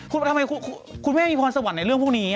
ขุทำไมคุณแม่มีควาสะวัญในเรื่องพวกนี้